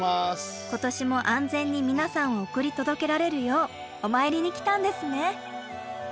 今年も安全に皆さんを送り届けられるようお参りに来たんですね。